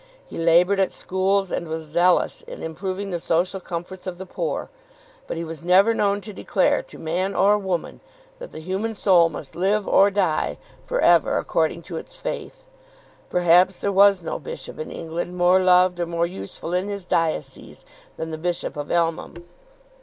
He laboured at schools, and was zealous in improving the social comforts of the poor; but he was never known to declare to man or woman that the human soul must live or die for ever according to its faith. Perhaps there was no bishop in England more loved or more useful in his diocese than the Bishop of Elmham.